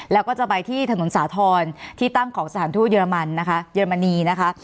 แล้วก็จะไปที่ถนนสาธรณ์ที่ตั้งของสถานธุรกิจเยอรมนีนะคะ